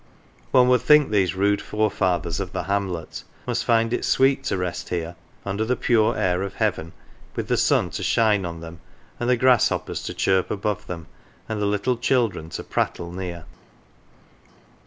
One would think these "rude forefathers of the hamlet" must find it sweet to rest here, under the pure air of heaven, with the sun to shine on them, and the grasshoppers to chirp above them, and the little children to prattle near.